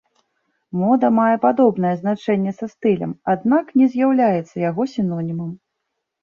Мода мае падобнае значэнне са стылем, аднак не з'яўляецца яго сінонімам.